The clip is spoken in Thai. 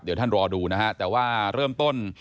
เดี๋ยวท่านรอดูนะฮะแต่ว่าเริ่มต้น